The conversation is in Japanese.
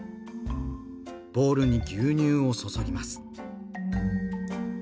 ボウルに牛乳を注ぎます。